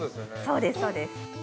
◆そうです、そうです。